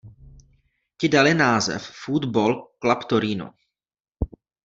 Ti daly název "Foot Ball Club Torino".